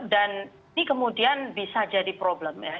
dan ini kemudian bisa jadi problem ya